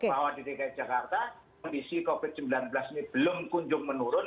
bahwa di dki jakarta kondisi covid sembilan belas ini belum kunjung menurun